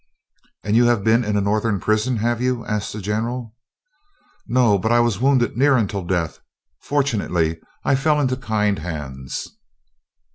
"And you have been in a Northern prison, have you?" asked the General. "No, but I was wounded near unto death. Fortunately I fell into kind hands."